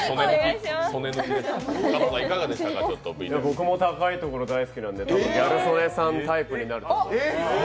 僕も高いところ大好きなんでたぶんギャル曽根さんタイプになると思います。